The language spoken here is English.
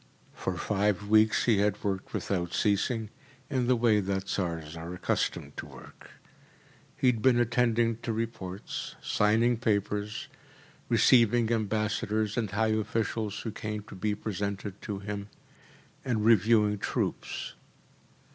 For five weeks he had worked without ceasing, in the way that Tsars are accustomed to work. He had been attending to reports, signing papers, receiving ambassadors and high officials who came to be presented to him, and reviewing troops.